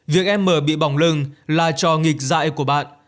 việc m bị bỏng lưng là cho nghịch dạy của bạn